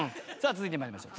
続いて参りましょう。